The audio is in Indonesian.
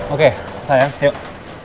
oke sayang yuk